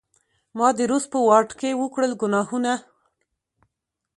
ما د روس په واډکې وکړل ګناهونه